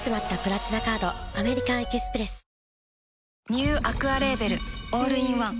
ニューアクアレーベルオールインワン